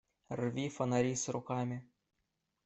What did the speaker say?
Рви фонари с руками!